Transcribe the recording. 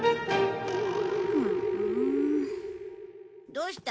どうした？